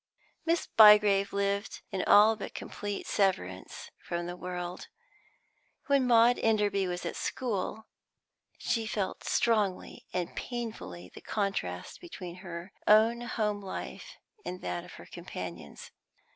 Miss Bygrave lived in all but complete severance from the world. When Maud Enderby was at school, she felt strongly and painfully the contrast between her own home life and that of her companions.